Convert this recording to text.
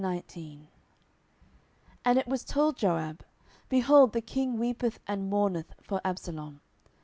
10:019:001 And it was told Joab, Behold, the king weepeth and mourneth for Absalom.